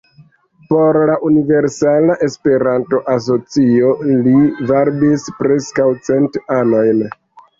Por la Universala Esperanto-Asocio li varbis preskaŭ cent anojn.